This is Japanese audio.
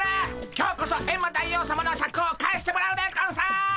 今日こそエンマ大王さまのシャクを返してもらうでゴンス！